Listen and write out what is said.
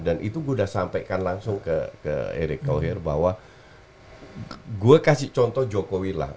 itu gue udah sampaikan langsung ke erick thohir bahwa gue kasih contoh jokowi lah